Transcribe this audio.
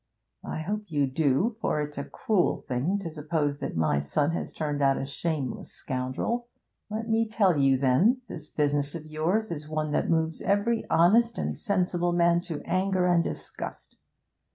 I hope you do, for it's a cruel thing to suppose that my son has turned out a shameless scoundrel. Let me tell you, then, this business of yours is one that moves every honest and sensible man to anger and disgust.